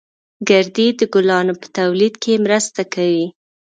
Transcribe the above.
گردې د ګلانو په تولید کې مرسته کوي